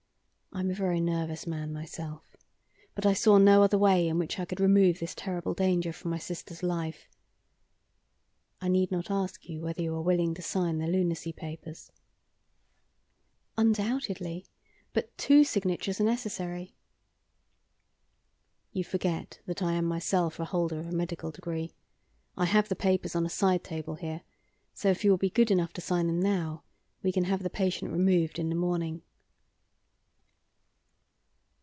I am a very nervous man myself, but I saw no other way in which I could remove this terrible danger from my sister's life. I need not ask you whether you are willing to sign the lunacy papers." "Undoubtedly. But TWO signatures are necessary." "You forget that I am myself a holder of a medical degree. I have the papers on a side table here, so if you will be good enough to sign them now, we can have the patient removed in the morning."